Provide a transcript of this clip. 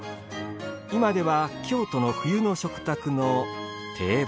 今では京都の冬の食卓の定番です。